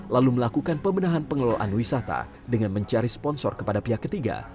lalu melakukan pemenahan pengelolaan wisata dengan mencari sponsor kepada pihak ketiga